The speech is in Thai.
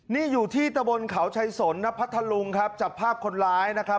นี่อยู่ที่ตะบนเขาชัยสนณพัทธลุงครับจับภาพคนร้ายนะครับ